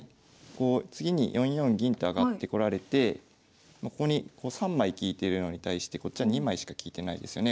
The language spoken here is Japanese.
こう次に４四銀と上がってこられてここに３枚利いてるのに対してこっちは２枚しか利いてないですよね